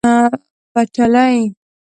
ډرامه د بدو کارونو غندنه کوي